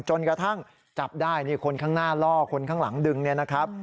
จนกระทั่งจับได้นี่คนข้างหน้าล่อคนข้างหลังดึงเนี่ยนะครับ